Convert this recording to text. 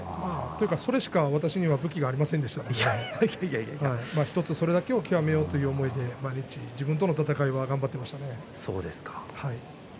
それだけしか私の武器がありませんでしたから１つそれだけを極めようということで毎日自分との闘いで頑張っていました。